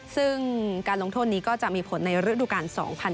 ซึ่งการลงโทษนี้ก็จะมีผลในฤดูกาล๒๐๑๖